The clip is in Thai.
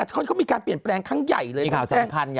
ได้ที่มีการเปลี่ยนเปลี่ยนอย่างกัน